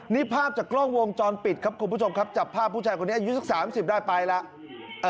นี่ภาพจากกล้องวงจรปิดครับคุณผู้ชมครับจับภาพผู้ชายคนนี้อายุสัก๓๐ได้ไปแล้ว